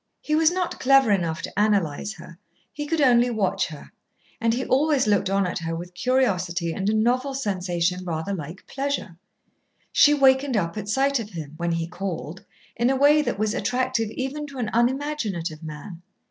He was not clever enough to analyse her; he could only watch her, and he always looked on at her with curiosity and a novel sensation rather like pleasure. She wakened up at sight of him, when he called, in a way that was attractive even to an unimaginative man.